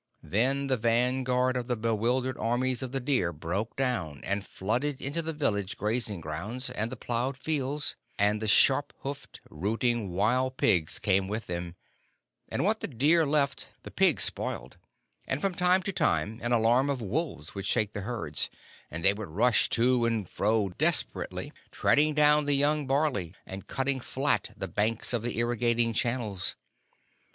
Then the vanguard of the bewildered armies of the deer broke down and flooded into the village grazing grounds and the plowed fields; and the sharp hoofed, rooting wild pig came with them, and what the deer left the pig spoiled, and from time to time an alarm of wolves would shake the herds, and they would rush to and fro desperately, treading down the young barley, and cutting flat the banks of the irrigating channels.